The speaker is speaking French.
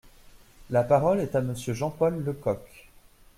La parole est à Monsieur Jean-Paul Lecoq.